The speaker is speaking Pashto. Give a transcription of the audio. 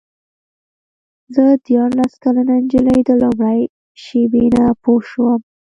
زه دیارلس کلنه نجلۍ د لومړۍ شېبې نه پوه شوم.